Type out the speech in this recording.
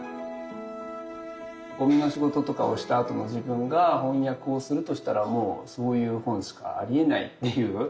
ゴミの仕事とかをしたあとの自分が翻訳をするとしたらもうそういう本しかありえないっていう。